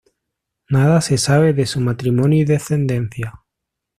Nada se sabe de su matrimonio y descendencia.